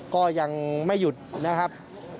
ก็ยังไม่หยุดนะครับ